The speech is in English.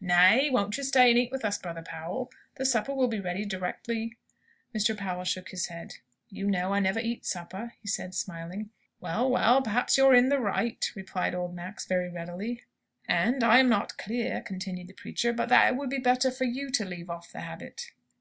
"Nay; won't you stay and eat with us, Brother Powell? The supper will be ready directly." Mr. Powell shook his head. "You know I never eat supper," he said, smiling. "Well, well; perhaps you're in the right," responded old Max, very readily. "And I am not clear," continued the preacher, "but that it would be better for you to leave off the habit."